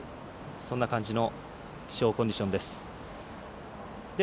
そんな感じの気象コンディションです。